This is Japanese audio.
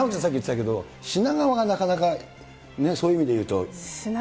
さっき言ってたんですけど、品川がなかなかそういう意味でいうと。